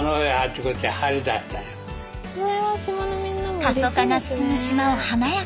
過疎化が進む島を華やかに！